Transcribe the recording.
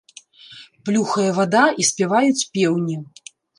Плюхае вада і спяваюць пеўні.